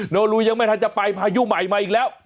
โลลูยังไม่ทันจะไปพายุใหม่มาอีกแล้ว